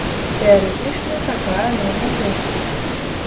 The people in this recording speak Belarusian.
Тэарэтычна, такая норма ёсць.